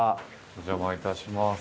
お邪魔いたします。